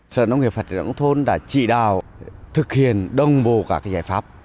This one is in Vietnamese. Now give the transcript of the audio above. sở nông nghiệp phật đồng thôn đã trị đào thực hiện đồng bộ các giải pháp